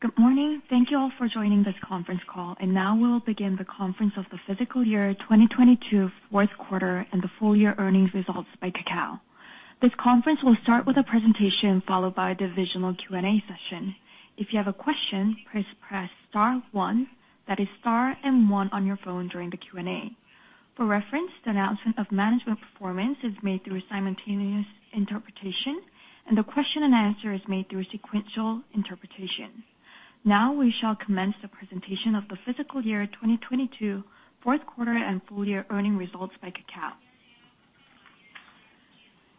Good morning. Thank you all for joining this conference call, and now we'll begin the conference of the fiscal year 2022 fourth quarter and the full year earnings results by Kakao. This conference will start with a presentation followed by a divisional Q&A session. If you have a question, please press star one, that is star and one, on your phone during the Q&A. For reference, the announcement of management performance is made through simultaneous interpretation, and the question and answer is made through sequential interpretation. Now we shall commence the presentation of the fiscal year 2022 fourth quarter and full year earning results by Kakao.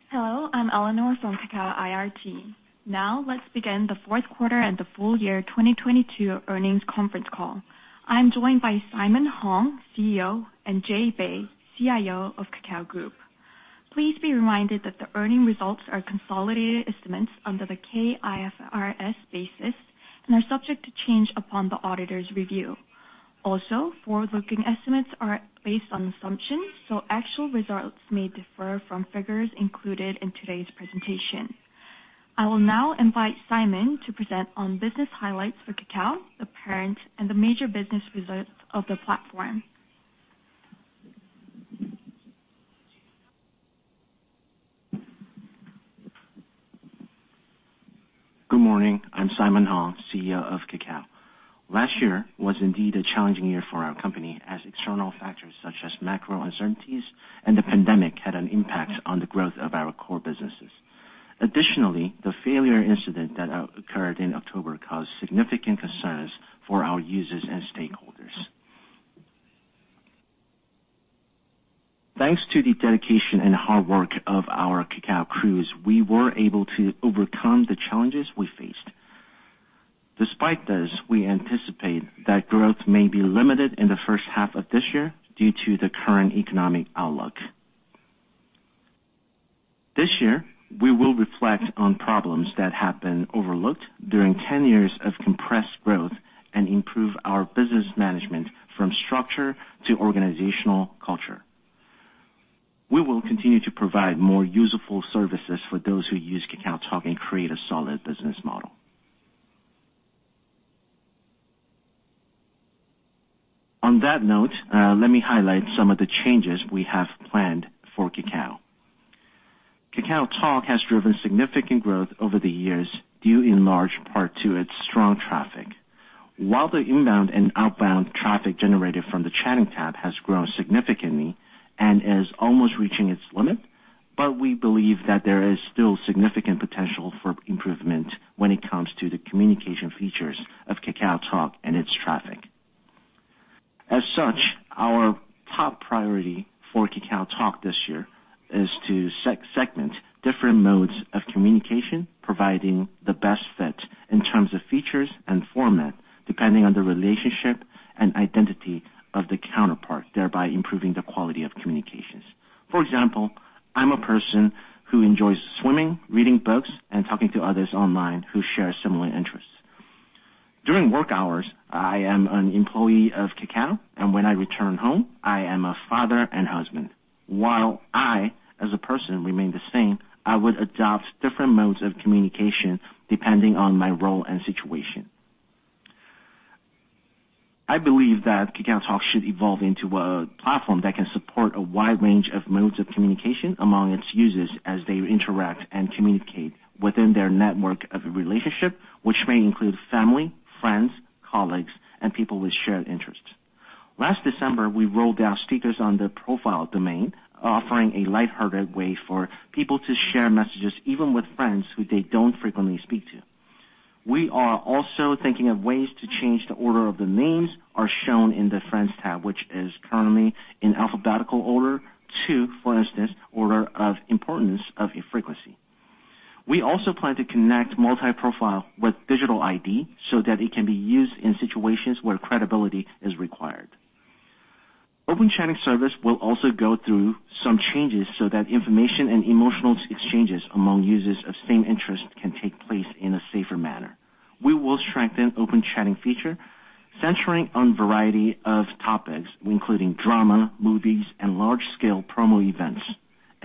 Hello, I'm Eleanor from Kakao IR team. Now let's begin the fourth quarter and the full year 2022 earnings conference call. I am joined by Simon Hong, CEO, and Jay Bae, CIO of Kakao Group. Please be reminded that the earnings results are consolidated estimates under the KIFRS basis and are subject to change upon the auditor's review. Also, forward-looking estimates are based on assumptions, so actual results may differ from figures included in today's presentation. I will now invite Simon to present on business highlights for Kakao, the parent and the major business results of the platform. Good morning. I'm Simon Hong, CEO of Kakao. Last year was indeed a challenging year for our company as external factors such as macro uncertainties and the pandemic had an impact on the growth of our core businesses. Additionally, the failure incident that occurred in October caused significant concerns for our users and stakeholders. Thanks to the dedication and hard work of our Kakao crews, we were able to overcome the challenges we faced. Despite this, we anticipate that growth may be limited in the first half of this year due to the current economic outlook. This year, we will reflect on problems that have been overlooked during 10 years of compressed growth and improve our business management from structure to organizational culture. We will continue to provide more useful services for those who use KakaoTalk and create a solid business model. On that note, let me highlight some of the changes we have planned for Kakao. KakaoTalk has driven significant growth over the years due in large part to its strong traffic. While the inbound and outbound traffic generated from the chatting tab has grown significantly and is almost reaching its limit, we believe that there is still significant potential for improvement when it comes to the communication features of KakaoTalk and its traffic. As such, our top priority for KakaoTalk this year is to segment different modes of communication, providing the best fit in terms of features and format, depending on the relationship and identity of the counterpart, thereby improving the quality of communications. For example, I'm a person who enjoys swimming, reading books, and talking to others online who share similar interests. During work hours, I am an employee of Kakao, and when I return home, I am a father and husband. While I, as a person, remain the same, I would adopt different modes of communication depending on my role and situation. I believe that KakaoTalk should evolve into a platform that can support a wide range of modes of communication among its users as they interact and communicate within their network of relationship, which may include family, friends, colleagues, and people with shared interests. Last December, we rolled out stickers on the profile domain, offering a light-hearted way for people to share messages even with friends who they don't frequently speak to. We are also thinking of ways to change the order of the names are shown in the Friends tab, which is currently in alphabetical order to, for instance, order of importance of a frequency. We also plan to connect multi-profile with digital ID so that it can be used in situations where credibility is required. Open chatting service will also go through some changes so that information and emotional exchanges among users of same interest can take place in a safer manner. We will strengthen open chatting feature, centering on variety of topics, including drama, movies, and large-scale promo events.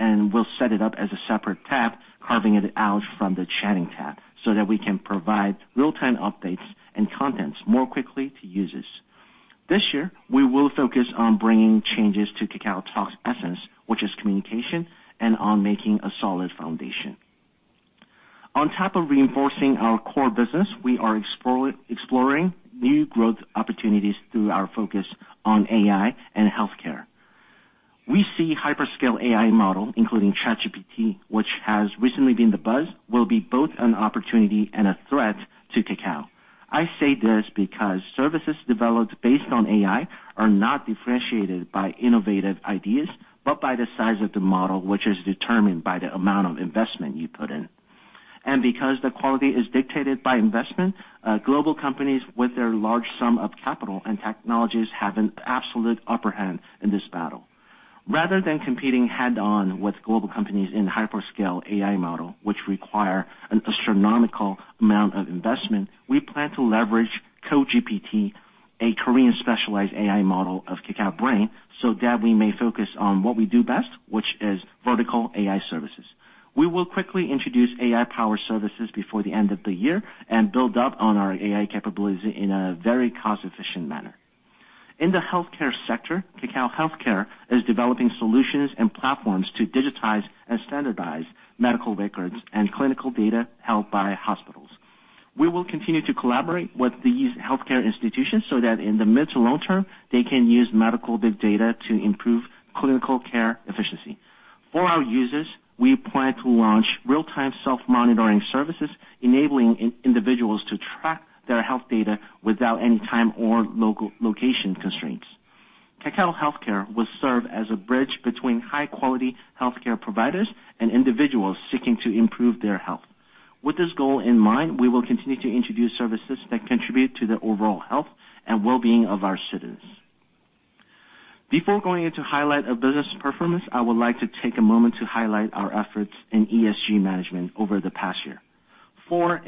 We'll set it up as a separate tab, carving it out from the chatting tab, so that we can provide real-time updates and contents more quickly to users. This year, we will focus on bringing changes to KakaoTalk's essence, which is communication, and on making a solid foundation. On top of reinforcing our core business, we are exploring new growth opportunities through our focus on AI and healthcare. We see hyperscale AI model, including ChatGPT, which has recently been the buzz, will be both an opportunity and a threat to Kakao. I say this because services developed based on AI are not differentiated by innovative ideas, but by the size of the model, which is determined by the amount of investment you put in. Because the quality is dictated by investment, global companies with their large sum of capital and technologies have an absolute upper hand in this battle. Rather than competing head-on with global companies in hyperscale AI model, which require an astronomical amount of investment, we plan to leverage KoGPT, a Korean specialized AI model of Kakao Brain, so that we may focus on what we do best, which is vertical AI services. We will quickly introduce AI power services before the end of the year and build up on our AI capabilities in a very cost-efficient manner. In the healthcare sector, Kakao Healthcare is developing solutions and platforms to digitize and standardize medical records and clinical data held by hospitals. We will continue to collaborate with these healthcare institutions so that in the mid to long term, they can use medical big data to improve clinical care efficiency. For our users, we plan to launch real-time self-monitoring services, enabling individuals to track their health data without any time or location constraints. Kakao Healthcare will serve as a bridge between high quality healthcare providers and individuals seeking to improve their health. With this goal in mind, we will continue to introduce services that contribute to the overall health and well-being of our citizens. Before going into highlight of business performance, I would like to take a moment to highlight our efforts in ESG management over the past year. For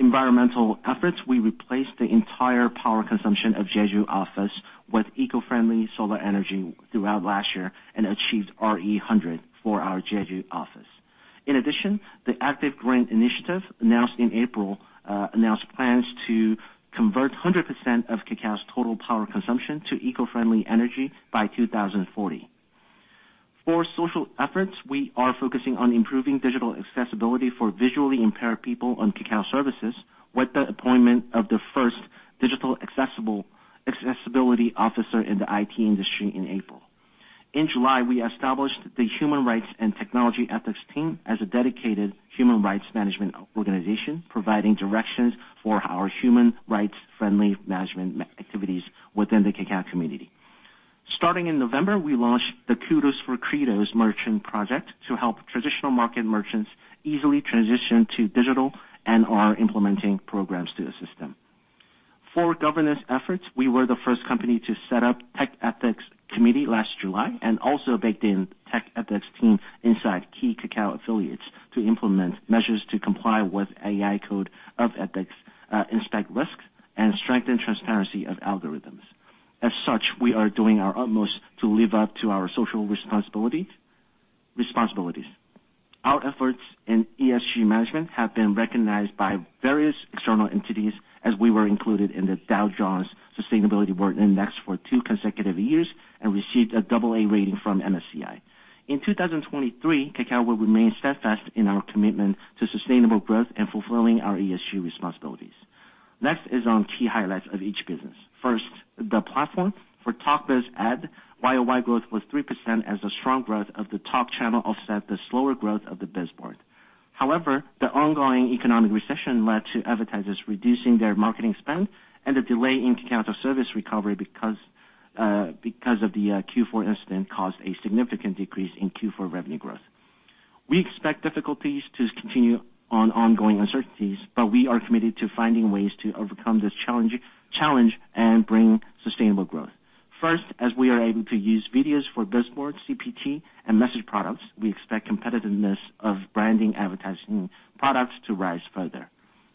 environmental efforts, we replaced the entire power consumption of Jeju office with eco-friendly solar energy throughout last year and achieved RE100 for our Jeju office. In addition, the Active Green Initiative, announced in April, announced plans to convert 100% of Kakao's total power consumption to eco-friendly energy by 2040. For social efforts, we are focusing on improving digital accessibility for visually impaired people on Kakao services with the appointment of the first digital accessibility officer in the IT industry in April. In July, we established the Human Rights and Technology Ethics team as a dedicated human rights management organization, providing directions for our human rights-friendly management activities within the Kakao community. Starting in November, we launched the Kudos for Credos merchant project to help traditional market merchants easily transition to digital and are implementing programs to assist them. For governance efforts, we were the first company to set up Tech Ethics Committee last July, and also baked in tech ethics team inside key Kakao affiliates to implement measures to comply with AI code of ethics, inspect risks, and strengthen transparency of algorithms. As such, we are doing our utmost to live up to our social responsibilities. Our efforts in ESG management have been recognized by various external entities as we were included in the Dow Jones Sustainability World Index for two consecutive years and received an AA rating from MSCI. In 2023, Kakao will remain steadfast in our commitment to sustainable growth and fulfilling our ESG responsibilities. Next is on key highlights of each business. First, the platform. For Talk Biz Ad, YOY growth was 3% as the strong growth of the Talk Channel offset the slower growth of the BizBoard. The ongoing economic recession led to advertisers reducing their marketing spend and the delay in Kakao service recovery because of the Q4 incident caused a significant decrease in Q4 revenue growth. We expect difficulties to continue on ongoing uncertainties, but we are committed to finding ways to overcome this challenge and bring sustainable growth. As we are able to use videos for Biz Board, CPT, and message products, we expect competitiveness of branding advertising products to rise further.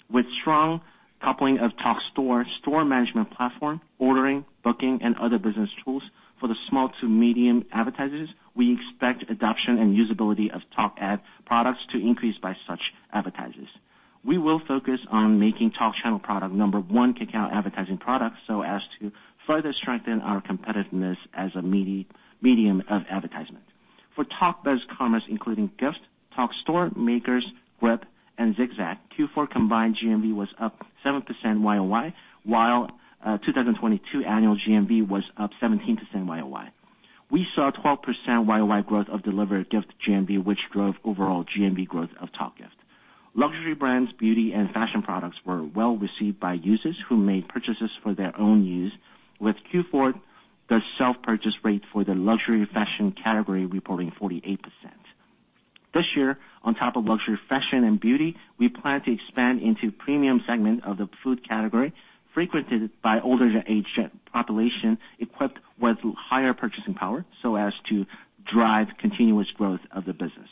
With strong coupling of Talk Store, store management platform, ordering, booking, and other business tools for the small to medium advertisers, we expect adoption and usability of Talk Ad products to increase by such advertisers. We will focus on making Talk Channel product number one Kakao advertising product so as to further strengthen our competitiveness as a medi-medium of advertisement. For Talk Biz commerce, including Gift, Talk Store, Makers, Grip, and Zigzag, Q4 combined GMV was up 7% YOY, while 2022 annual GMV was up 17% YOY. We saw a 12% YOY growth of delivered gift GMV, which drove overall GMV growth of Talk Gift. Luxury brands, beauty, and fashion products were well received by users who made purchases for their own use, with Q4, the self-purchase rate for the luxury fashion category reporting 48%. This year, on top of luxury fashion and beauty, we plan to expand into premium segment of the food category frequented by older aged population equipped with higher purchasing power so as to drive continuous growth of the business.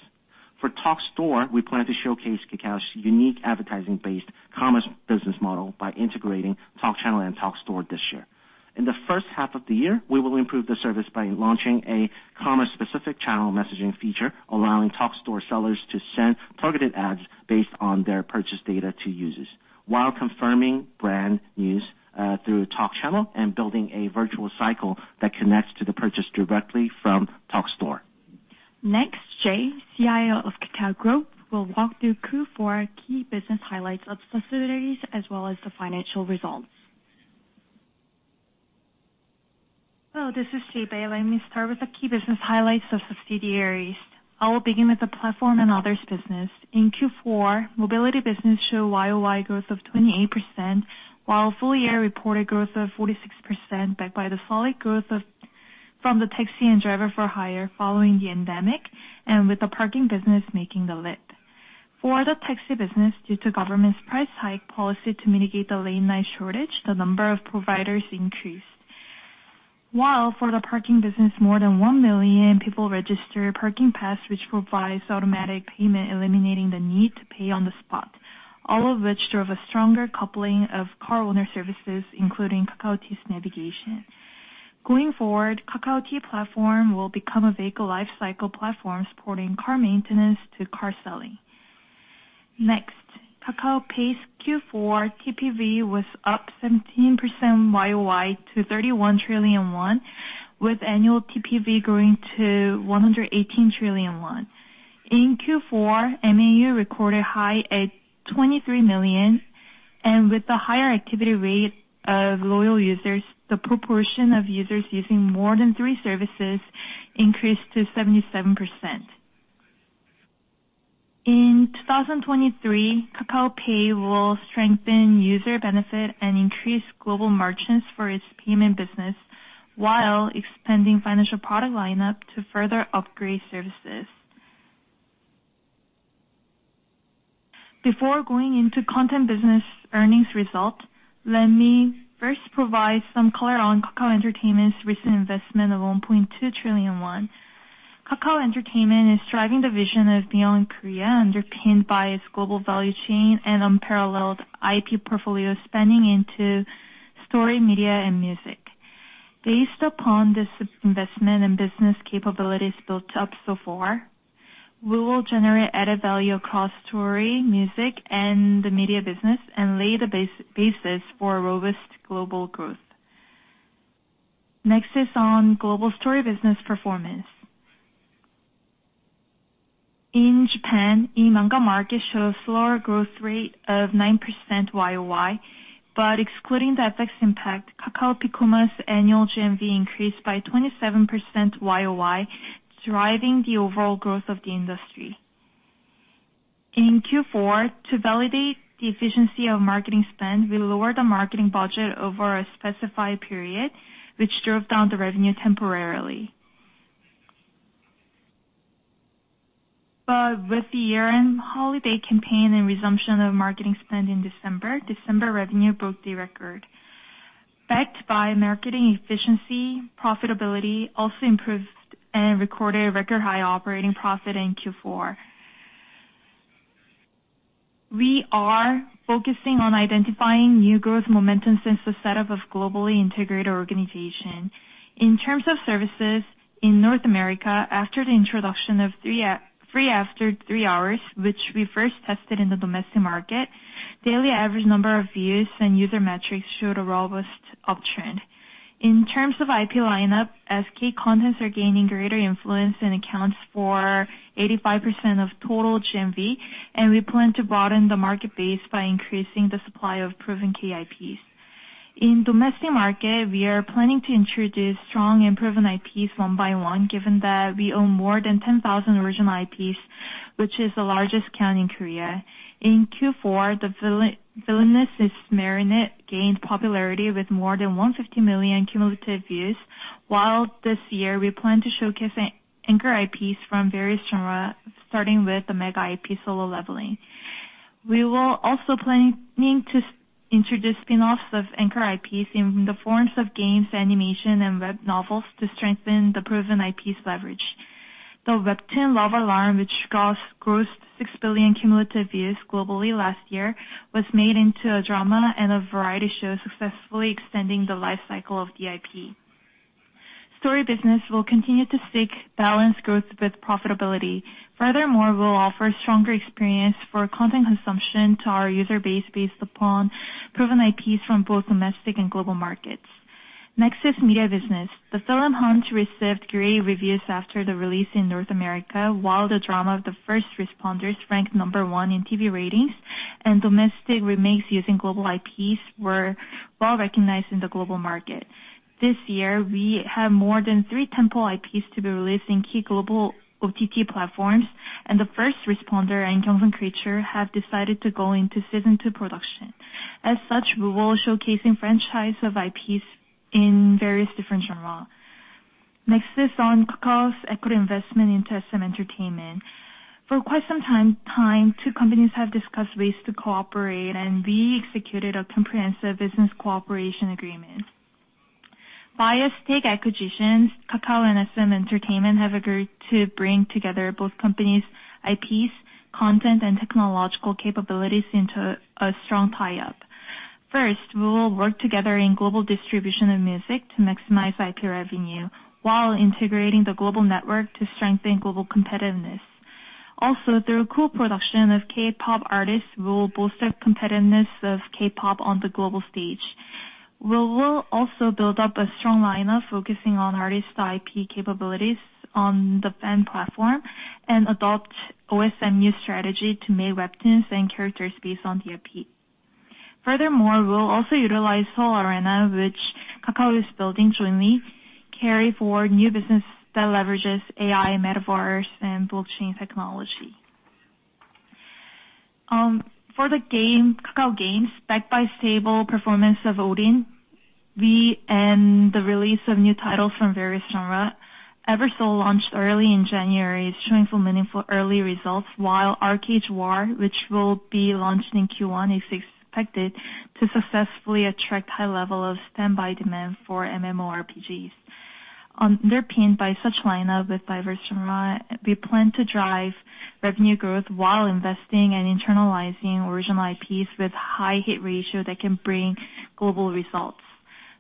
For Talk Store, we plan to showcase Kakao's unique advertising-based commerce business model by integrating Talk Channel and Talk Store this year. In the first half of the year, we will improve the service by launching a commerce-specific channel messaging feature, allowing Talk Store sellers to send targeted ads based on their purchase data to users while confirming brand news through Talk Channel and building a virtual cycle that connects to the purchase directly from Talk Store. Next, Jay, CIO of Kakao Growth, will walk through Q4 key business highlights of subsidiaries as well as the financial results. Hello, this is Jay Bae. Let me start with the key business highlights of subsidiaries. I will begin with the platform and others business. In Q4, mobility business showed year-over-year growth of 28%, while full year reported growth of 46%, backed by the solid growth from the taxi and driver for hire following the endemic and with the parking business making the lift. For the taxi business, due to government's price hike policy to mitigate the late night shortage, the number of providers increased. For the parking business, more than 1 million people registered Parking Pass, which provides automatic payment, eliminating the need to pay on the spot, all of which drove a stronger coupling of car owner services, including Kakao T's navigation. Going forward, Kakao T platform will become a vehicle life cycle platform supporting car maintenance to car selling. Kakao Pay Q4 TPV was up 17% YOY to 31 trillion won, with annual TPV growing to 118 trillion won. In Q4, MAU recorded high at 23 million, and with the higher activity rate of loyal users, the proportion of users using more than three services increased to 77%. In 2023, Kakao Pay will strengthen user benefit and increase global merchants for its payment business while expanding financial product lineup to further upgrade services. Before going into content business earnings result, let me first provide some color on Kakao Entertainment's recent investment of 1.2 trillion won. Kakao Entertainment is driving the vision of beyond Korea, underpinned by its global value chain and unparalleled IP portfolio spanning into story, media and music. Based upon this investment and business capabilities built up so far, we will generate added value across story, music and the media business and lay the basis for robust global growth. Next is on global story business performance. In Japan, e-manga market showed a slower growth rate of 9% YOY. Excluding the FX impact, Kakao Piccoma's annual GMV increased by 27% YOY, driving the overall growth of the industry. In Q4, to validate the efficiency of marketing spend, we lowered the marketing budget over a specified period, which drove down the revenue temporarily. With the year-end holiday campaign and resumption of marketing spend in December revenue broke the record. Backed by marketing efficiency, profitability also improved and recorded record high operating profit in Q4. We are focusing on identifying new growth momentum since the setup of globally integrated organization. In terms of services in North America, after the introduction of free after 3 hours, which we first tested in the domestic market, daily average number of views and user metrics showed a robust uptrend. In terms of IP lineup, SK contents are gaining greater influence and accounts for 85% of total GMV. We plan to broaden the market base by increasing the supply of proven key IPs. In domestic market, we are planning to introduce strong and proven IPs one by one, given that we own more than 10,000 original IPs, which is the largest count in Korea. In Q4, The Villainess is a Marionette gained popularity with more than 150 million cumulative views. This year we plan to showcase an anchor IPs from various genre, starting with the mega IP, Solo Leveling. We will also planning to introduce spin-offs of anchor IPs in the forms of games, animation and web novels to strengthen the proven IPs leverage. The webtoon Love Alarm, which grossed 6 billion cumulative views globally last year, was made into a drama and a variety show, successfully extending the life cycle of the IP. Story business will continue to seek balanced growth with profitability. Furthermore, we'll offer stronger experience for content consumption to our user base based upon proven IPs from both domestic and global markets. Next is media business. The film Hunt received great reviews after the release in North America, while the drama of The First Responders ranked number one in TV ratings and domestic remakes using global IPs were well-recognized in the global market. This year we have more than three tentpole IPs to be released in key global OTT platforms, and The First Responders and Gyeongseong Creature have decided to go into season two production. As such, we will showcasing franchise of IPs in various different genre. Next is on Kakao's equity investment into SM Entertainment. For quite some time, two companies have discussed ways to cooperate, and we executed a comprehensive business cooperation agreement. Via stake acquisitions, Kakao and SM Entertainment have agreed to bring together both companies' IPs, content and technological capabilities into a strong tie-up. First, we will work together in global distribution of music to maximize IP revenue while integrating the global network to strengthen global competitiveness. Also, through co-production of K-pop artists, we will bolster competitiveness of K-pop on the global stage. We will also build up a strong lineup focusing on artist IP capabilities on the fan platform and adopt OSMU strategy to make webtoons and characters based on the IP. We'll also utilize Seoul Arena, which Kakao is building jointly, carry for new business that leverages AI, metaverse and blockchain technology. For the game, Kakao Games, backed by stable performance of Odin, we end the release of new titles from various genre. Eversoul launched early in January, showing some meaningful early results, while ArcheAge WAR, which will be launched in Q1, is expected to successfully attract high level of standby demand for MMORPGs. Underpinned by such lineup with diversion line, we plan to drive revenue growth while investing and internalizing original IPs with high hit ratio that can bring global results.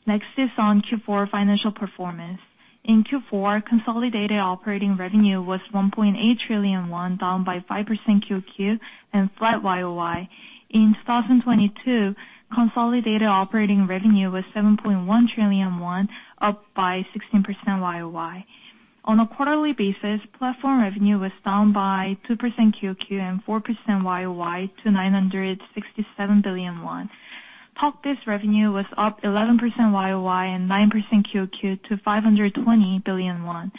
Next is on Q4 financial performance. In Q4, consolidated operating revenue was 1.8 trillion won, down by 5% QOQ and flat YOY. In 2022, consolidated operating revenue was 7.1 trillion won, up by 16% YOY. On a quarterly basis, platform revenue was down by 2% QOQ and 4% YOY to 967 billion won. Talk Biz revenue was up 11% YOY and 9% QOQ to 520 billion won.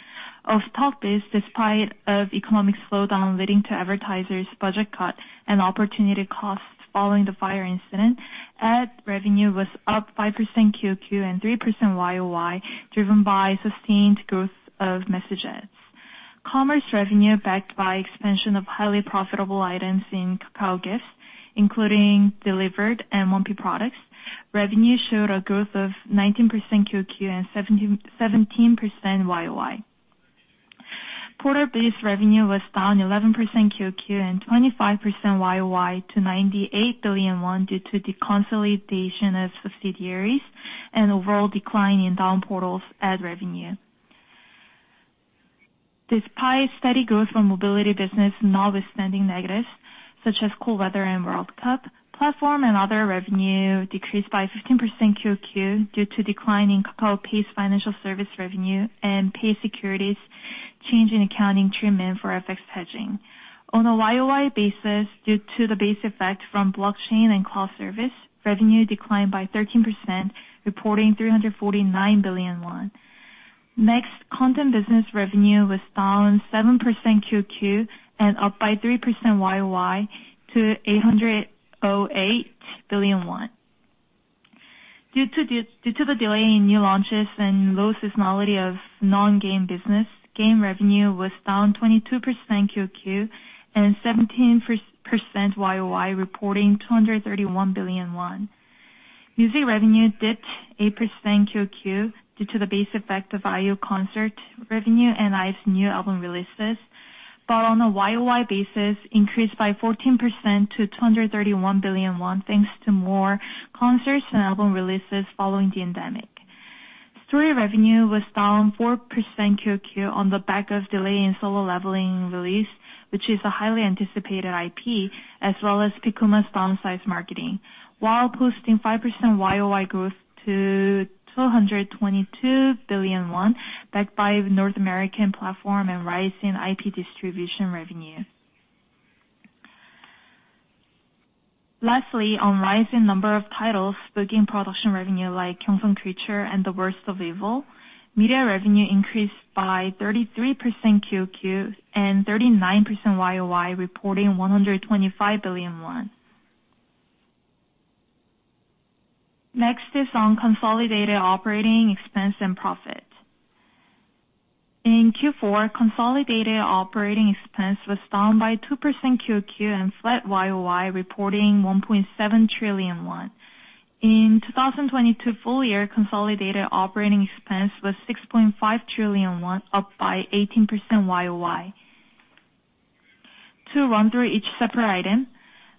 Of Talk Biz, despite of economic slowdown leading to advertisers budget cut and opportunity costs following the fire incident, ad revenue was up 5% QOQ and 3% YOY, driven by sustained growth of message ads. Commerce revenue backed by expansion of highly profitable items in Kakao Gifts, including delivered and 1P products. Revenue showed a growth of 19% QOQ and seventy-seventeen percent YOY. Portal Biz revenue was down 11% QOQ and 25% YOY to 98 billion won due to the consolidation of subsidiaries and overall decline in Daum portal's ad revenue. Despite steady growth from mobility business notwithstanding negatives such as cold weather and World Cup, platform and other revenue decreased by 15% QOQ due to decline in Kakao Pay financial service revenue and KakaoPay Securities change in accounting treatment for FX hedging. On a YOY basis, due to the base effect from blockchain and cloud service, revenue declined by 13%, reporting 349 billion won. Next, content business revenue was down 7% QOQ and up by 3% YOY to 808 billion won. Due to the delay in new launches and low seasonality of non-game business, game revenue was down 22% QOQ and 17% YOY, reporting 231 billion won. Music revenue dipped 8% QOQ due to the base effect of IU concert revenue and IVE's new album releases, but on a YOY basis increased by 14% to 231 billion won, thanks to more concerts and album releases following the endemic. Story revenue was down 4% QOQ on the back of delay in Solo Leveling release, which is a highly anticipated IP, as well as Piccoma's downsized marketing, while posting 5% YOY growth to 222 billion won, backed by North American platform and rise in IP distribution revenue. Lastly, on rise in number of titles booking production revenue like Gyeongseong Creature and The Worst of Evil, media revenue increased by 33% QOQ and 39% YOY, reporting KRW 125 billion. Consolidated operating expense and profit. In Q4, consolidated operating expense was down by 2% QOQ and flat YOY, reporting 1.7 trillion won. In 2022 full year consolidated operating expense was 6.5 trillion won, up by 18% YOY. To run through each separate item,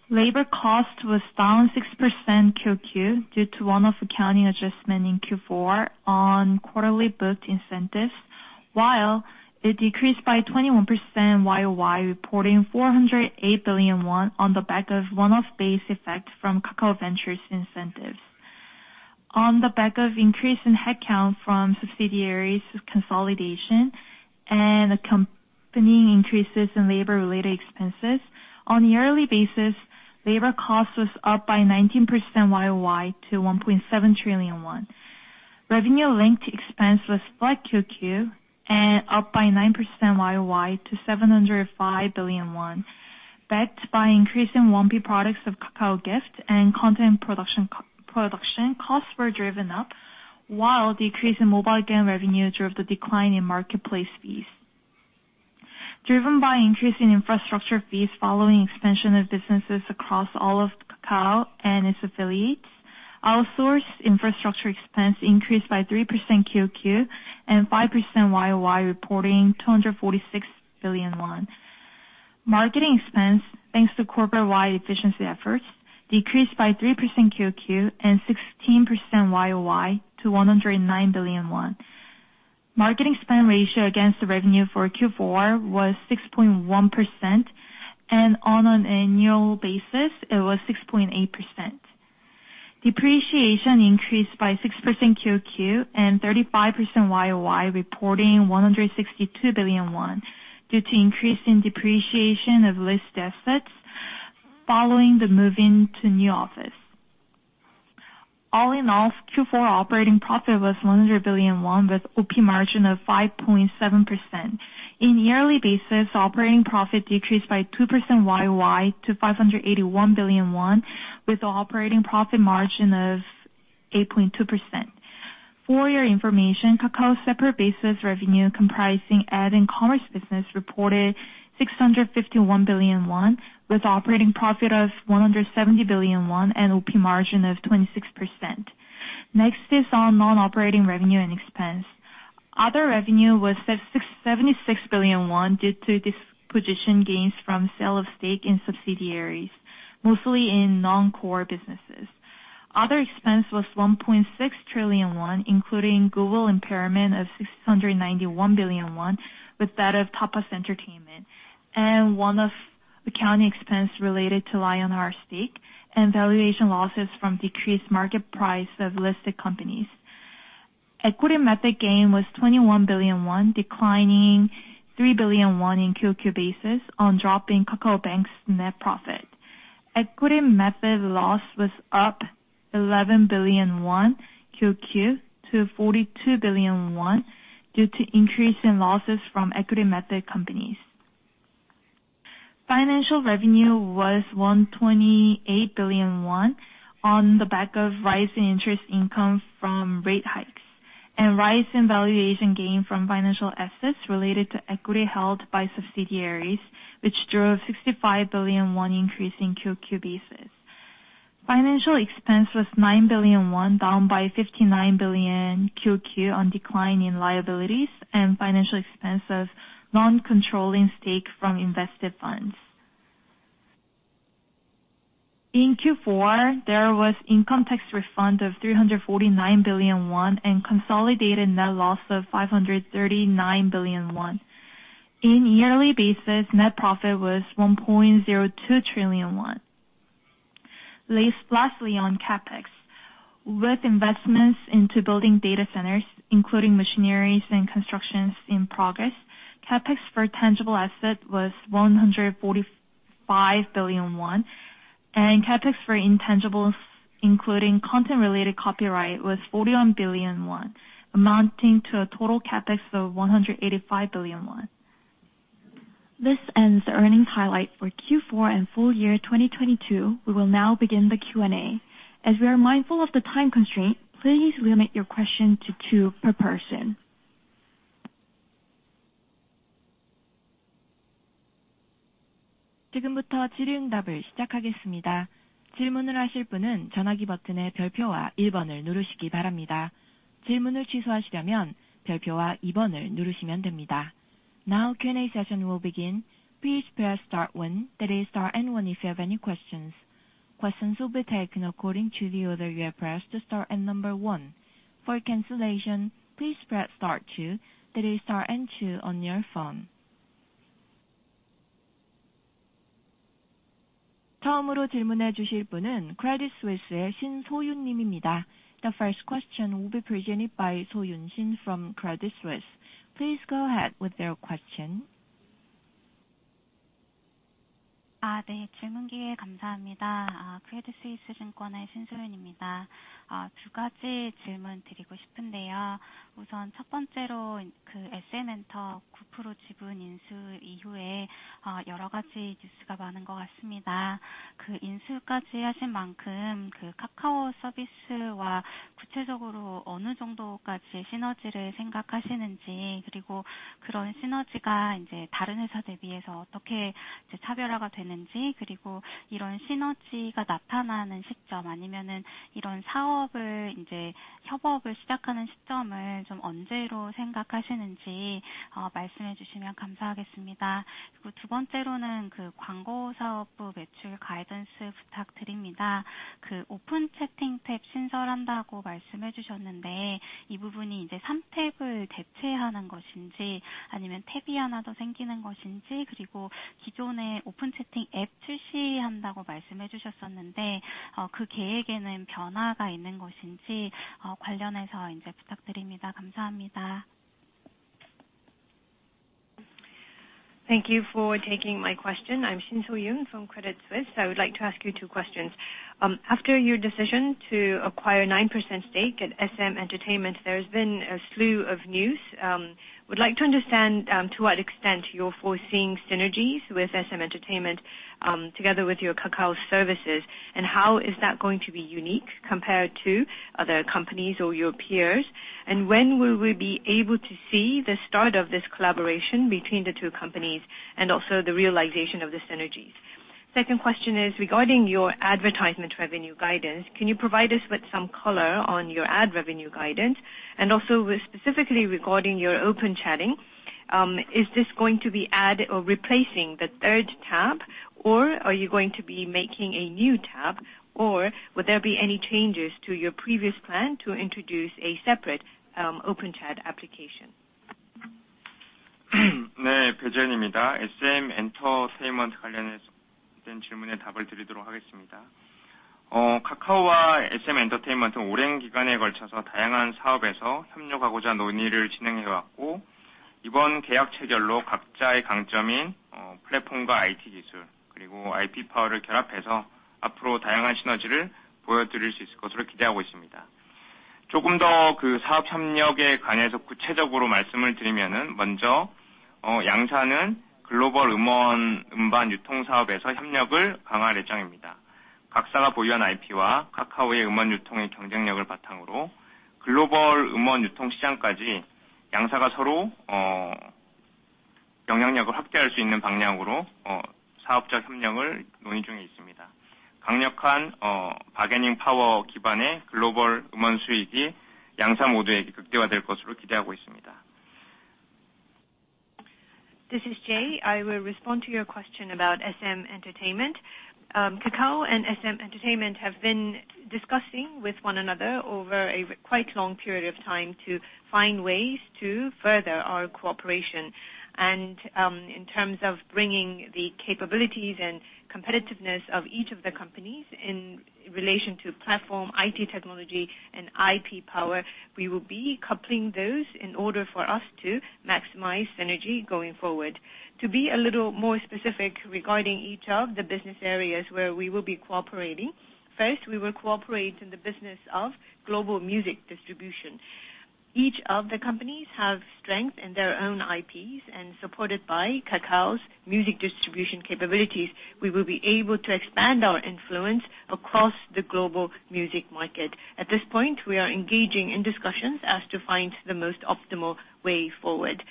labor cost was down 6% QOQ due to one-off accounting adjustment in Q4 on quarterly booked incentives, while it decreased by 21% YOY, reporting 408 billion won on the back of one-off base effect from Kakao Ventures incentives. On the back of increase in headcount from subsidiaries consolidation and accompanying increases in labor-related expenses, on a yearly basis, labor cost was up by 19% YOY to 1.7 trillion won. Revenue linked expense was flat QOQ and up by 9% YOY to 705 billion won. Backed by increase in 1P products of Kakao Gift and content production costs were driven up, while decrease in mobile game revenue drove the decline in marketplace fees. Driven by increase in infrastructure fees following expansion of businesses across all of Kakao and its affiliates, outsourced infrastructure expense increased by 3% QOQ and 5% YOY, reporting 246 billion won. Marketing expense, thanks to corporate-wide efficiency efforts, decreased by 3% QOQ and 16% YOY to 109 billion won. Marketing spend ratio against the revenue for Q4 was 6.1%, and on an annual basis, it was 6.8%. Depreciation increased by 6% QOQ and 35% YOY, reporting 162 billion won due to increase in depreciation of leased assets following the move into new office. All in all, Q4 operating profit was 100 billion won with OP margin of 5.7%. In yearly basis, operating profit decreased by 2% YOY to 581 billion won with operating profit margin of 8.2%. For your information, Kakao's separate basis revenue comprising ad and commerce business reported 651 billion won with operating profit of 170 billion won and OP margin of 26%. Next is on non-operating revenue and expense. Other revenue was at 76 billion won due to disposition gains from sale of stake in subsidiaries, mostly in non-core businesses. Other expense was 1.6 trillion won, including Google impairment of 691 billion won with that of Tapas Entertainmentt, and one of accounting expense related to Lion Heart stake and valuation losses from decreased market price of listed companies. Equity method gain was 21 billion won, declining 3 billion won in QOQ basis on drop in Kakao Bank's net profit. Equity method loss was up 11 billion won QOQ to 42 billion won due to increase in losses from equity method companies. Financial revenue was 128 billion won on the back of rise in interest income from rate hikes and rise in valuation gain from financial assets related to equity held by subsidiaries, which drove 65 billion won increase in QOQ basis. Financial expense was 9 billion won, down by 59 billion QOQ on decline in liabilities and financial expense of non-controlling stake from invested funds. In Q4, there was income tax refund of 349 billion won. Consolidated net loss of 539 billion won. In yearly basis, net profit was 1.02 trillion won. Lastly, on CapEx. With investments into building data centers, including machineries and constructions in progress, CapEx for tangible asset was 145 billion won, and CapEx for intangibles, including content-related copyright, was 41 billion won, amounting to a total CapEx of 185 billion won. This ends the earnings highlight for Q4 and full year 2022. We will now begin the Q&A. As we are mindful of the time constraint, please limit your question to two per person. Now Q&A session will begin. Please press star one, that is star and one, if you have any questions. Questions will be taken according to the order you have pressed the star and number one. For cancellation, please press star two, that is star and two on your phone. The first question will be presented by Soyun Shin from Credit Suisse. Please go ahead with your question. Credit Suisse Soyun Shin. This is Jay. I will respond to your question about SM Entertainment. Kakao and SM Entertainment have been discussing with one another over a quite long period of time to find ways to further our cooperation. In terms of bringing the capabilities and competitiveness of each of the companies in relation to platform, IT technology, and IP power, we will be coupling those in order for us to maximize synergy going forward. To be a little more specific regarding each of the business areas where we will be cooperating, first, we will cooperate in the business of global music distribution. Each of the companies have strength in their own IPs, and supported by Kakao's music distribution capabilities, we will be able to expand our influence across the global music market. At this point, we are engaging in discussions as to find the most optimal way forward.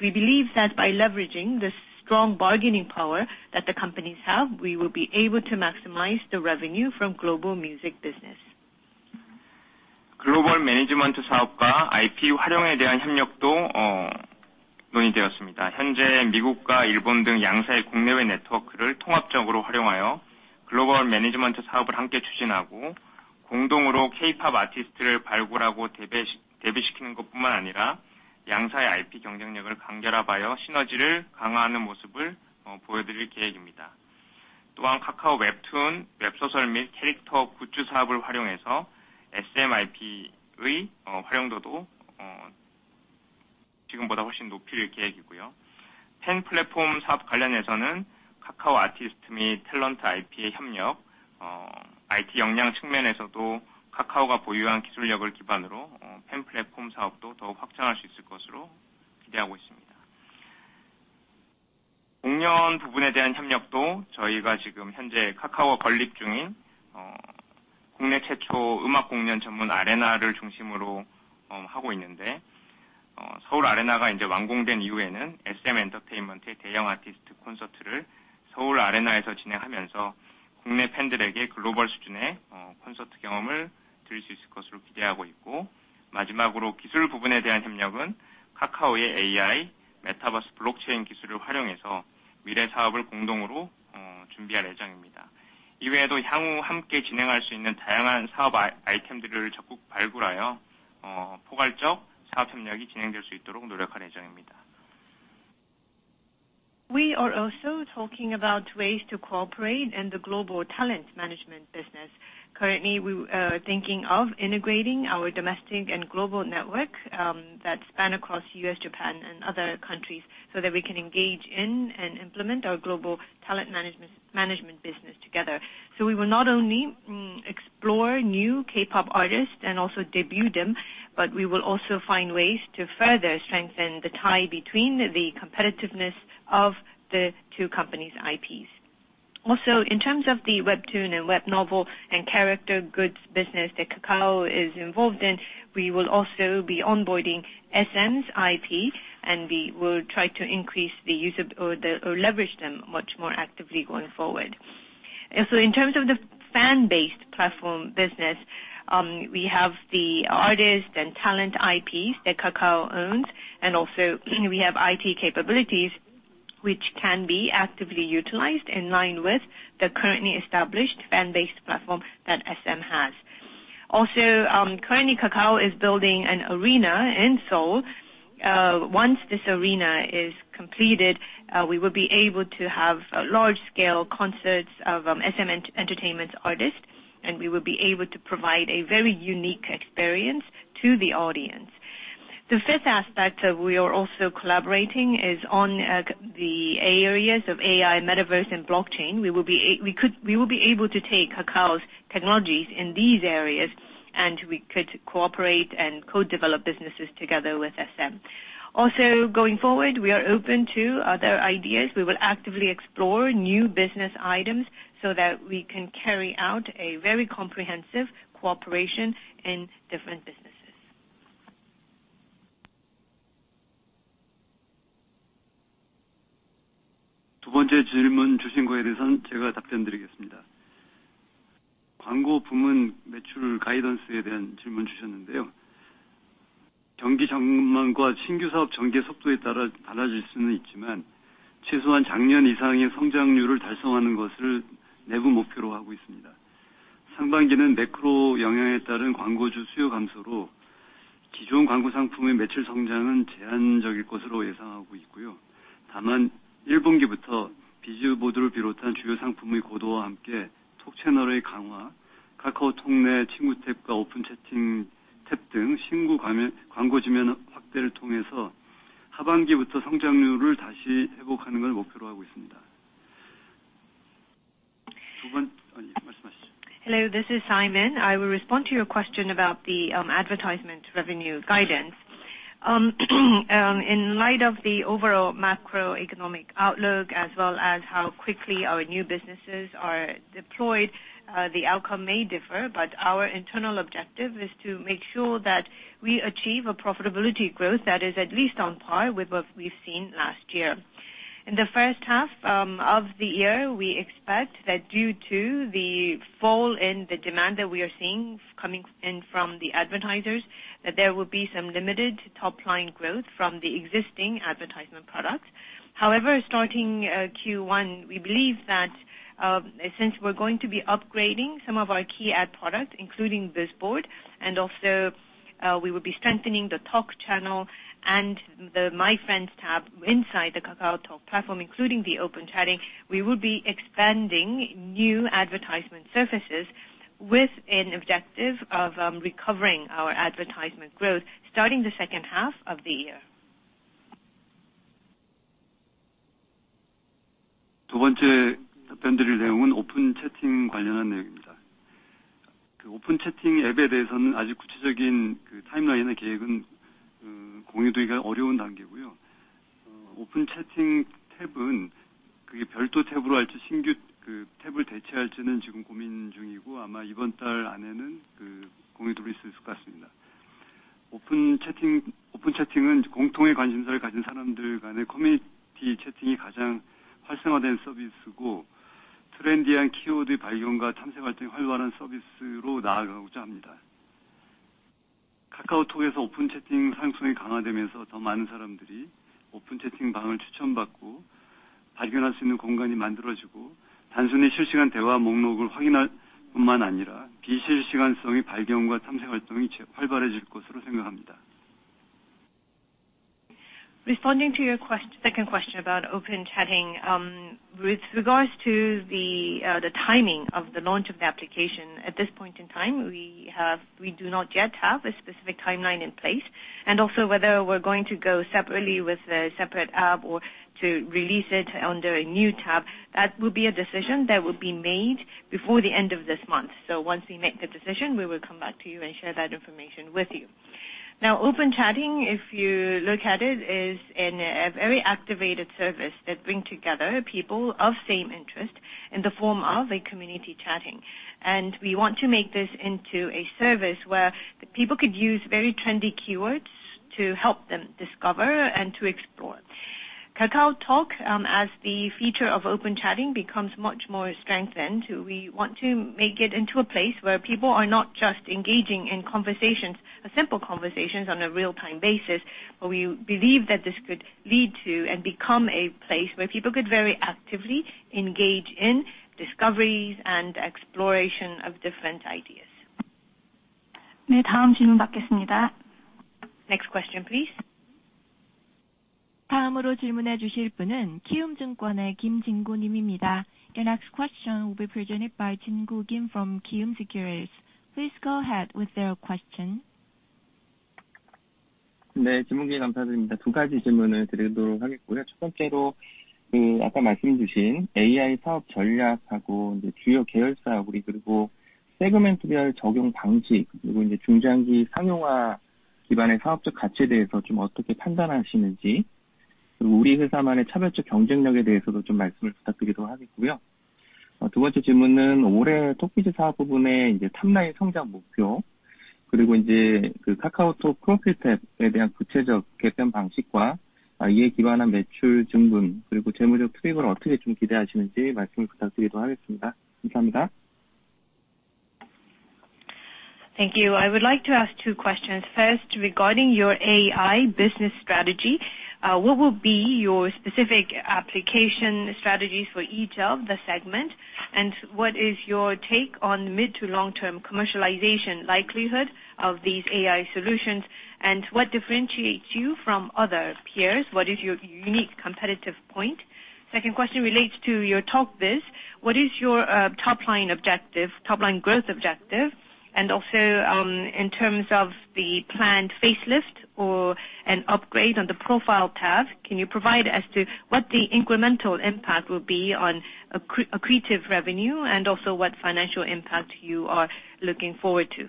We believe that by leveraging the strong bargaining power that the companies have, we will be able to maximize the revenue from global music business. We are also talking about ways to cooperate in the global talent management business. Currently, we are thinking of integrating our domestic and global network that span across U.S., Japan, and other countries so that we can engage in and implement our global talent management business together. We will not only explore new K-pop artists and also debut them, but we will also find ways to further strengthen the tie between the competitiveness of the two companies' IPs. In terms of the webtoon and web novel and character goods business that Kakao is involved in, we will also be onboarding SM's IP, and we will try to increase the use of, or leverage them much more actively going forward. In terms of the fan-based platform business, we have the artist and talent IPs that Kakao owns, and also we have IT capabilities which can be actively utilized in line with the currently established fan-based platform that SM has. Currently Kakao is building an arena in Seoul. Once this arena is completed, we will be able to have large scale concerts of SM Entertainment's artists, and we will be able to provide a very unique experience to the audience. The fifth aspect, we are also collaborating is on the areas of AI, metaverse, and blockchain. We will be able to take Kakao's technologies in these areas, and we could cooperate and co-develop businesses together with SM. Going forward, we are open to other ideas. We will actively explore new business items so that we can carry out a very comprehensive cooperation in different businesses. Hello, this is Simon. I will respond to your question about the advertisement revenue guidance. In light of the overall macroeconomic outlook as well as how quickly our new businesses are deployed, the outcome may differ, but our internal objective is to make sure that we achieve a profitability growth that is at least on par with what we've seen last year. In the first half of the year, we expect that due to the fall in the demand that we are seeing coming in from the advertisers, that there will be some limited top line growth from the existing advertisement products. However, starting Q1, we believe that since we're going to be upgrading some of our key ad products, including Bizboard, and also we will be strengthening the Talk channel and the My Friends tab inside the KakaoTalk platform, including the open chatting, we will be expanding new advertisement services with an objective of recovering our advertisement growth starting the second half of the year. Responding to your second question about open chatting, with regards to the timing of the launch of the application, at this point in time, we do not yet have a specific timeline in place. Whether we're going to go separately with a separate app or to release it under a new tab, that will be a decision that will be made before the end of this month. Once we make the decision, we will come back to you and share that information with you. Now, open chatting, if you look at it, is a very activated service that bring together people of same interest in the form of a community chatting. We want to make this into a service where people could use very trendy keywords to help them discover and to explore. KakaoTalk, as the feature of open chatting becomes much more strengthened, we want to make it into a place where people are not just engaging in conversations, simple conversations on a real-time basis, but we believe that this could lead to and become a place where people could very actively engage in discoveries and exploration of different ideas. Next question, please. The next question will be presented by Jin-Gu Kim from Kiwoom Securities. Please go ahead with your question. Ne, Jin-Gu Kim. Thank you. I would like to ask two questions. First, regarding your AI business strategy, what will be your specific application strategies for each of the segment? What is your take on mid to long-term commercialization likelihood of these AI solutions? What differentiates you from other peers? What is your unique competitive point? Second question relates to your Talk Biz. What is your top line objective, top line growth objective? In terms of the planned facelift or an upgrade on the profile tab, can you provide as to what the incremental impact will be on accretive revenue and also what financial impact you are looking forward to?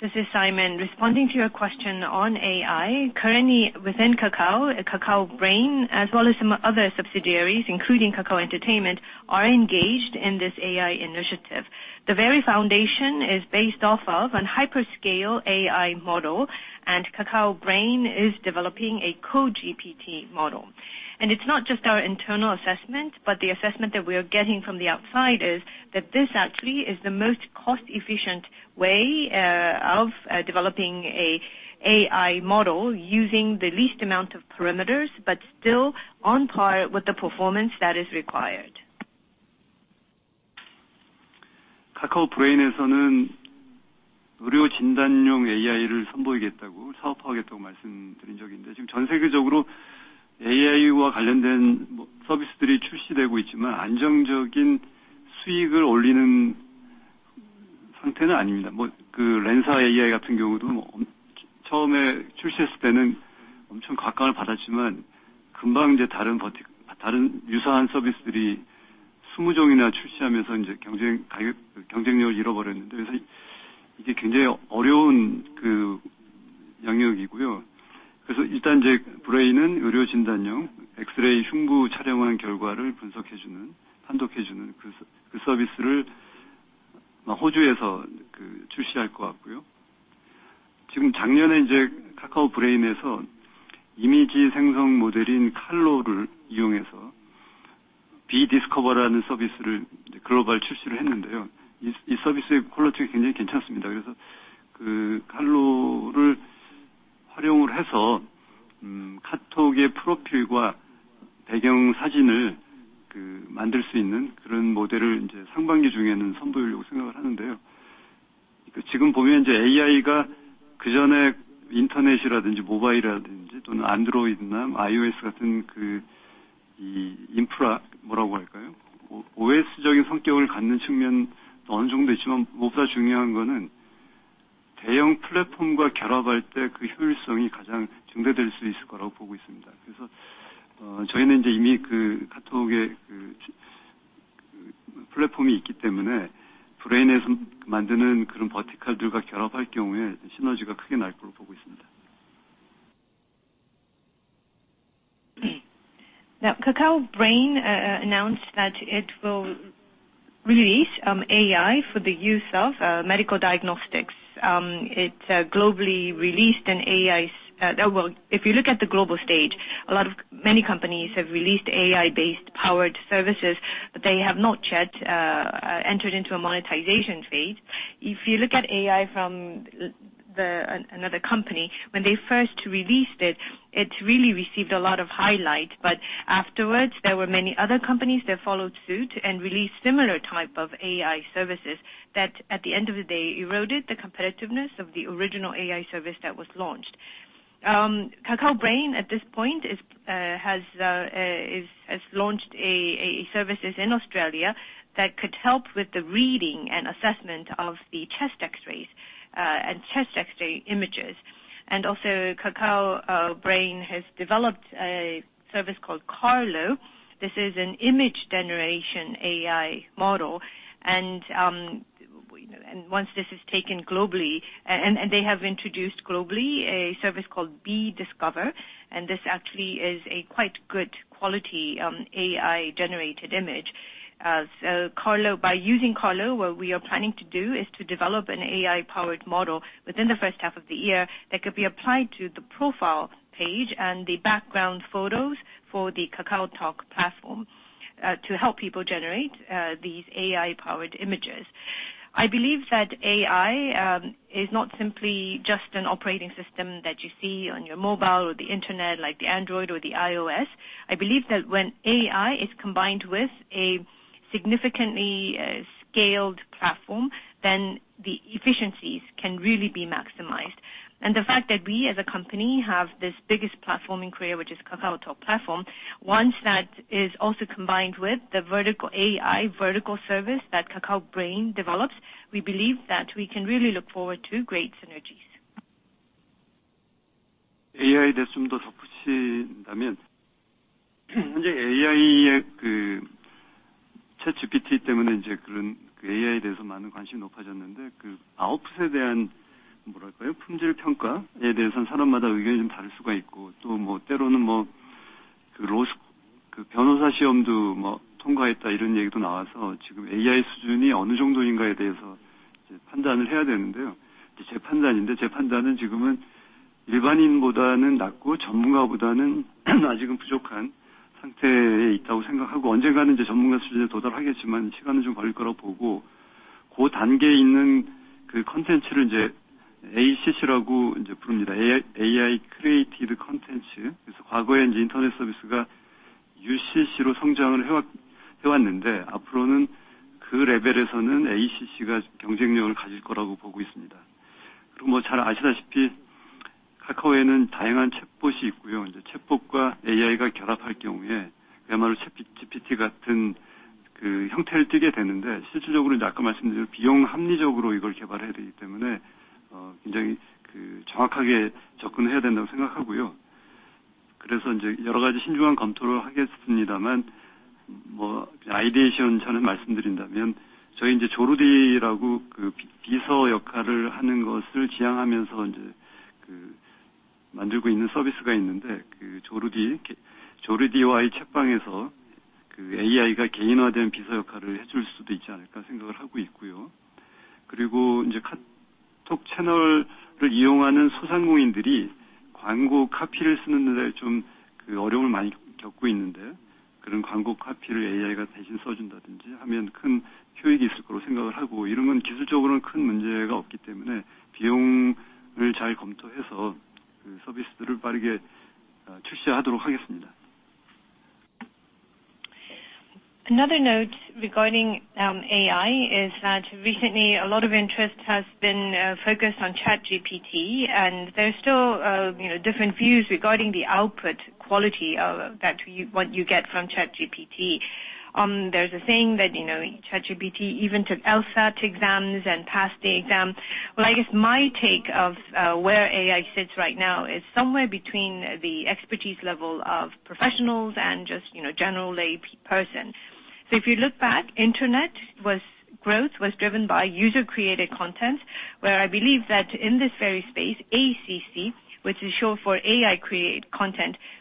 This is Simon. Responding to your question on AI, currently within Kakao Brain, as well as some other subsidiaries, including Kakao Entertainment, are engaged in this AI initiative. The very foundation is based off of an hyperscale AI model. Kakao Brain is developing a KoGPT model. It's not just our internal assessment, but the assessment that we are getting from the outside is that this actually is the most cost efficient way of developing a AI model using the least amount of parameters, but still on par with the performance that is required. Now Kakao Brain announced that it will release AI for the use of medical diagnostics. It globally released an AI, well, if you look at the global stage, many companies have released AI based powered services, but they have not yet entered into a monetization phase. If you look at AI from another company, when they first released it really received a lot of highlight. Afterwards, there were many other companies that followed suit and released similar type of AI services that at the end of the day, eroded the competitiveness of the original AI service that was launched. Kakao Brain at this point has launched services in Australia that could help with the reading and assessment of the chest x-rays and chest x-ray images. Also Kakao Brain has developed a service called Karlo. This is an image generation AI model. Once this is taken globally, and they have introduced globally a service called B^ DISCOVER. This actually is a quite good quality AI generated image. Karlo by using Karlo, what we are planning to do is to develop an AI powered model within the first half of the year that could be applied to the profile page and the background photos for the KakaoTalk platform, to help people generate these AI powered images. I believe that AI is not simply just an operating system that you see on your mobile or the internet, like the Android or the iOS. I believe that when AI is combined with a significantly scaled platform, then the efficiencies can really be maximized. The fact that we as a company have this biggest platform in Korea, which is KakaoTalk platform, once that is also combined with the vertical AI, vertical service that Kakao Brain develops, we believe that we can really look forward to great synergies.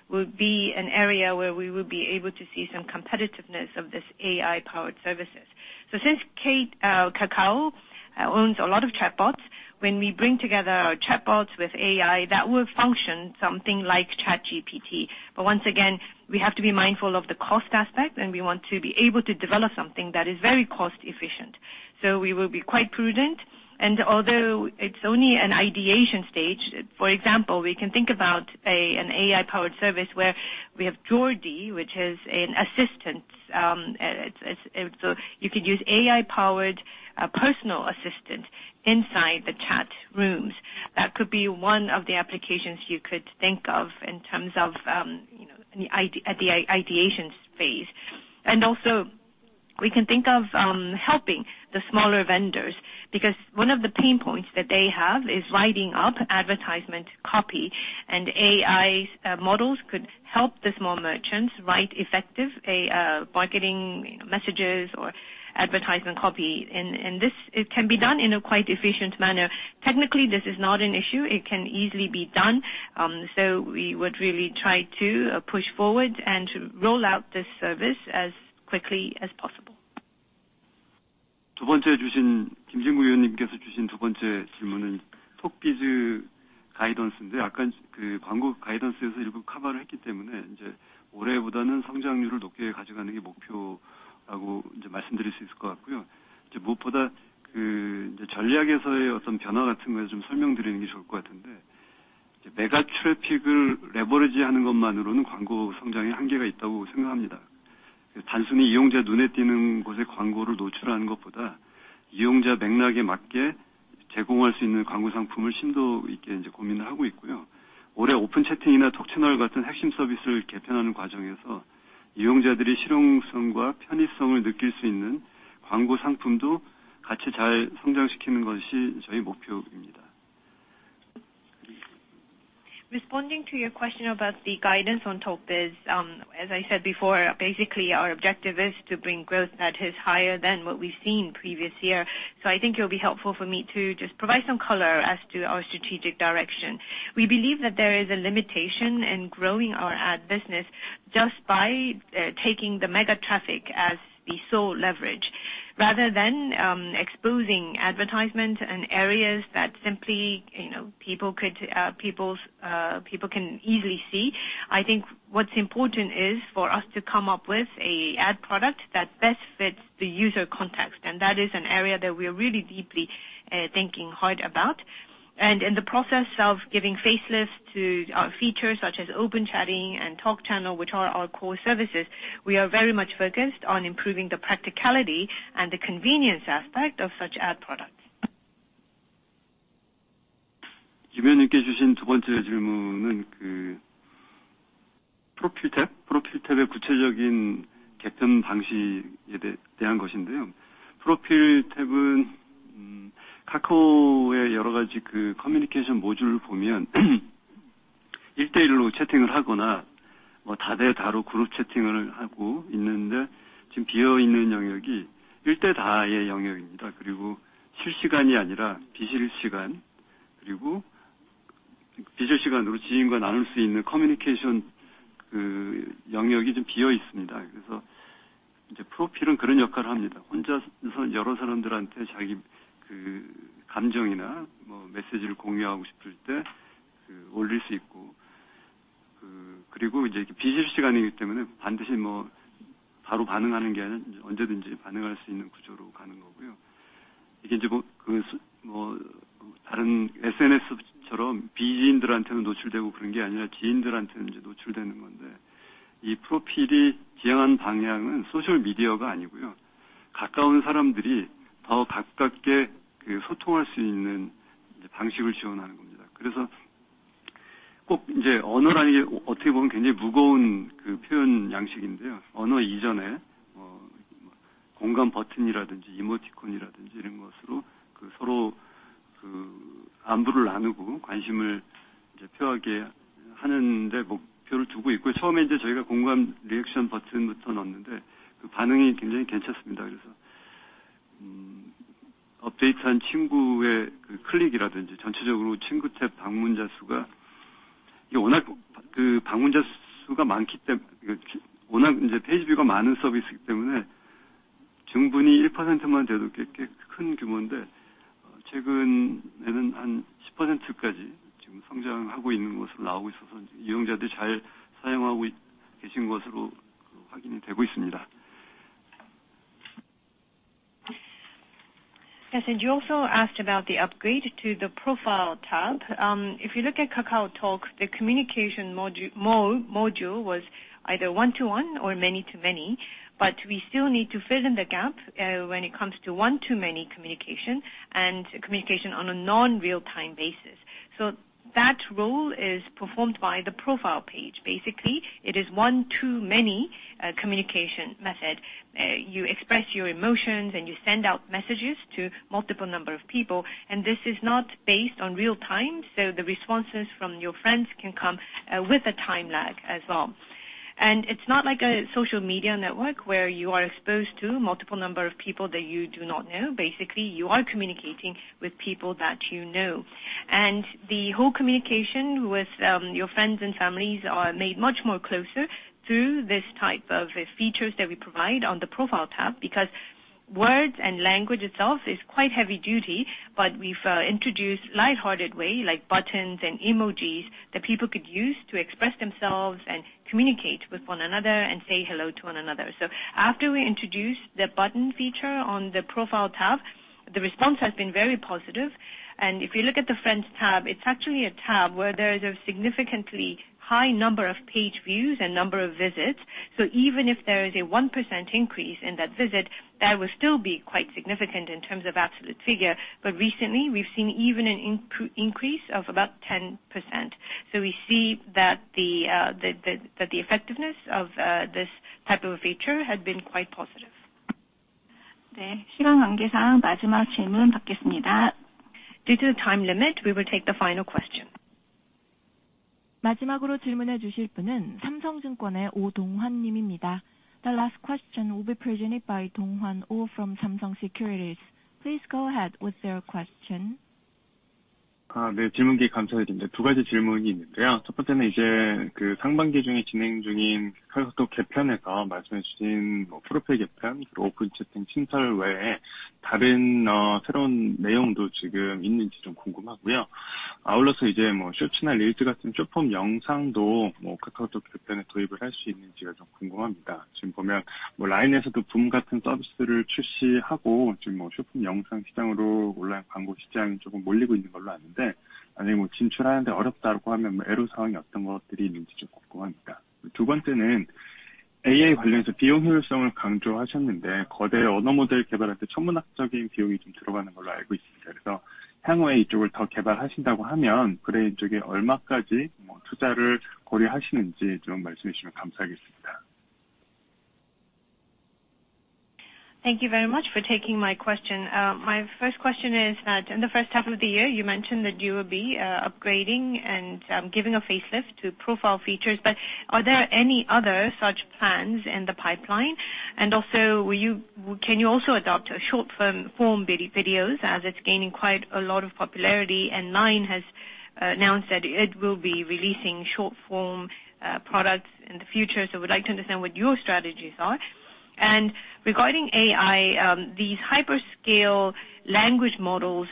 일대일로 채팅을 하거나, 다대다로 그룹 채팅을 하고 있는데 지금 비어 있는 영역이 일대다의 영역입니다. 실시간이 아니라 비실시간, 비실시간으로 지인과 나눌 수 있는 커뮤니케이션 영역이 좀 비어 있습니다. 그래서 이제 Profile은 그런 역할을 합니다. 혼자서 여러 사람들한테 자기 감정이나 메시지를 공유하고 싶을 때 올릴 수 있고, 이제 비실시간이기 때문에 반드시 바로 반응하는 게 아니라 언제든지 반응할 수 있는 구조로 가는 거고요. 이게 이제 다른 SNS처럼 비지인들한테는 노출되고 그런 게 아니라 지인들한테 이제 노출되는 건데, 이 Profile이 지향한 방향은 소셜 미디어가 아니고요. 가까운 사람들이 더 가깝게 소통할 수 있는 방식을 지원하는 겁니다. 그래서 꼭 이제 언어라는 게 어떻게 보면 굉장히 무거운 표현 양식인데요. 언어 이전에 공감 버튼이라든지 이모티콘이라든지 이런 것으로 서로 안부를 나누고 관심을 표하게 하는데 목표를 두고 있고요. 처음에 이제 저희가 공감 리액션 버튼부터 넣었는데 반응이 굉장히 괜찮습니다. 업데이트한 친구의 클릭이라든지, 전체적으로 친구 탭 방문자 수가 That's it. You also asked about the upgrade to the profile tab. If you look at KakaoTalk, the communication module was either one to one or many to many, but we still need to fill in the gap when it comes to one to many communication and communication on a non-real time basis. That role is performed by the profile page. Basically, it is one to many communication method. You express your emotions and you send out messages to multiple number of people, and this is not based on real time, so the responses from your friends can come with a time lag as well. It's not like a social media network where you are exposed to multiple number of people that you do not know. Basically, you are communicating with people that you know. The whole communication with your friends and families are made much more closer through this type of features that we provide on the profile tab because words and language itself is quite heavy duty, but we've introduced light-hearted way like buttons and emojis that people could use to express themselves and communicate with one another and say hello to one another. After we introduced the button feature on the profile tab, the response has been very positive. If you look at the Friends tab, it's actually a tab where there is a significantly high number of page views and number of visits. Even if there is a 1% increase in that visit, that will still be quite significant in terms of absolute figure. Recently, we've seen even an increase of about 10%. We see that the effectiveness of this type of feature had been quite positive. Due to the time limit, we will take the final question. The last question will be presented by Dong Hwan Oh from Samsung Securities. Please go ahead with your question. Uh, Thank you very much for taking my question. My first question is that in the first half of the year, you mentioned that you will be upgrading and giving a facelift to profile features. Are there any other such plans in the pipeline? Also, can you also adopt a short form videos as it's gaining quite a lot of popularity? LINE has announced that it will be releasing short form products in the future. We'd like to understand what your strategies are. Regarding AI, these hyperscale language models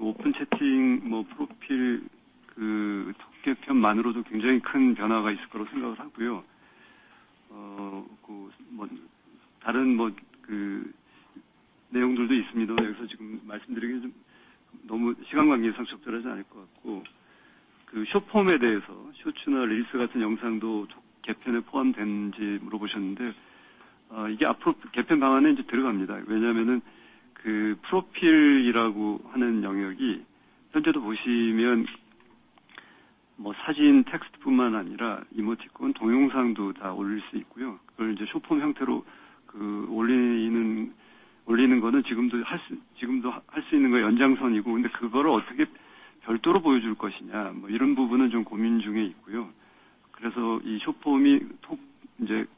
entail astronomical amount of investment. I would like to understand to what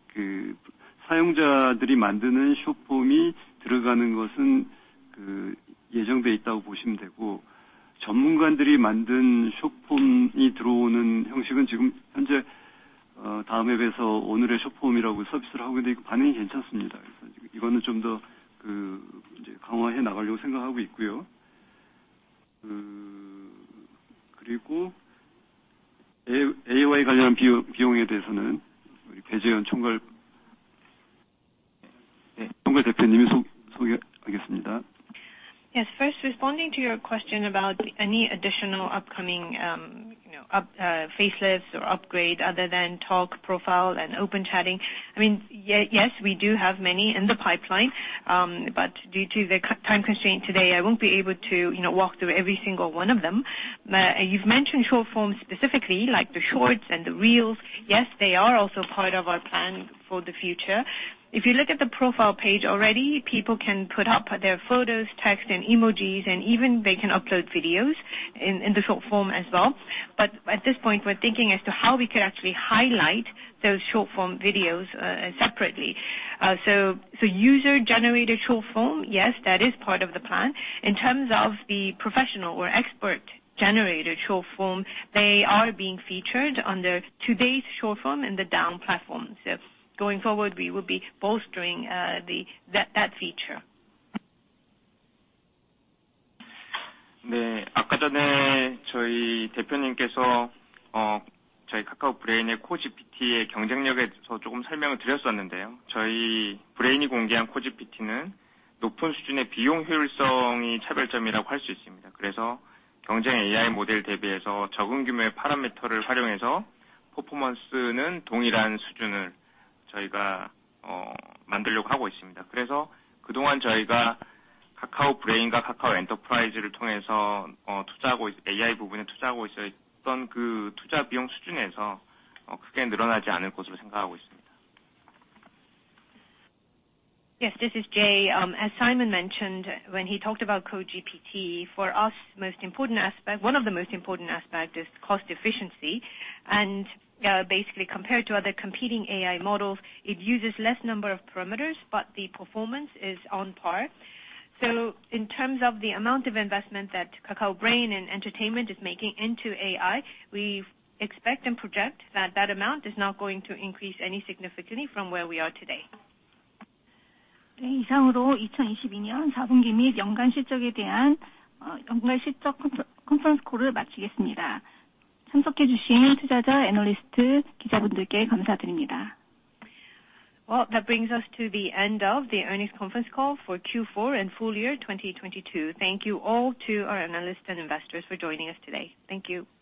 extent you will be willing to make investments into Kakao Brain. First, responding to your question about any additional upcoming facelifts or upgrade other than Talk profile and open chatting. I mean, yes, we do have many in the pipeline, but due to the time constraint today, I won't be able to, you know, walk through every single one of them. You've mentioned short form specifically, like the shorts and the reels. Yes, they are also part of our plan for the future. If you look at the profile page already, people can put up their photos, text and emojis, and even they can upload videos in the short form as well. At this point, we're thinking as to how we could actually highlight those short form videos separately. User generated short form, yes, that is part of the plan. In terms of the professional or expert generated short form, they are being featured on the today's short form and the Daum platform. Going forward, we will be bolstering that feature. Yes, this is Jay. As Simon mentioned when he talked about KoGPT, for us, one of the most important aspects is cost efficiency. Basically, compared to other competing AI models, it uses less number of parameters, but the performance is on par. In terms of the amount of investment that Kakao Brain and Kakao Entertainment is making into AI, we expect and project that that amount is not going to increase any significantly from where we are today. Well, that brings us to the end of the earnings conference call for Q4 and full year 2022. Thank you all to our analysts and investors for joining us today. Thank you.